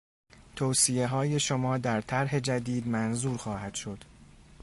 توصیههای شما در طرح جدید منظور خواهد است.